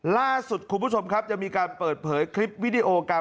ล่าสุดคุณผู้ชมครับยังมีการเปิดเผยคลิปวิดีโอการ